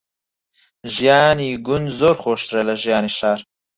ژیانی گوند زۆر خۆشترە لە ژیانی شار.